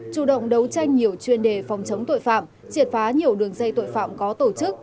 chủ động đấu tranh nhiều chuyên đề phòng chống tội phạm triệt phá nhiều đường dây tội phạm có tổ chức